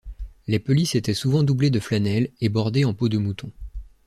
Les pelisses étaient souvent doublées de flanelle et bordées en peau de mouton.